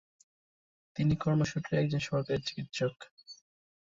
তিনি কর্মসূত্রে একজন সরকারি চিকিৎসক।